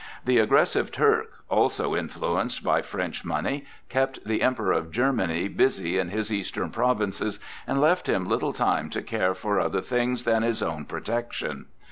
The aggressive Turk, also influenced by French money, kept the Emperor of Germany busy in his eastern provinces, and left him little time to care for other things than his own protection.